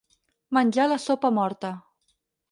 Menjar la sopa morta.